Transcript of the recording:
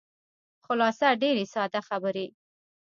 خلاصه ډېرې ساده خبرې.